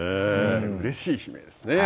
うれしい悲鳴ですね。